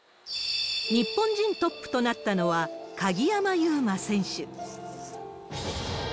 日本人トップとなったのは、鍵山優真選手。